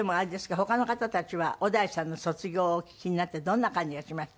他の方たちは小田井さんの卒業をお聞きになってどんな感じがしました？